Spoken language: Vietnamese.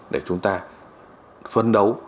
để chúng ta phân đấu